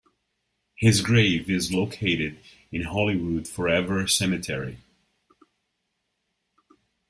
His grave is located in Hollywood Forever Cemetery.